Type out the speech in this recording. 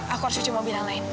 aku harus cuci mobil yang lain